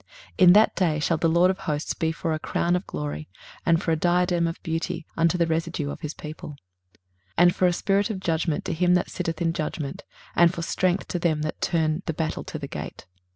23:028:005 In that day shall the LORD of hosts be for a crown of glory, and for a diadem of beauty, unto the residue of his people, 23:028:006 And for a spirit of judgment to him that sitteth in judgment, and for strength to them that turn the battle to the gate.